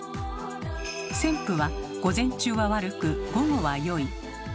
「先負」は午前中は悪く午後は良い。